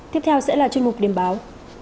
tiếp theo sẽ là chương trình điểm báo